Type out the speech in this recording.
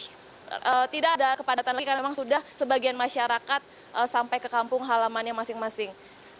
tidak ada kepadatan lagi karena memang sudah sebagian masyarakat sampai ke kampung halamannya masing masing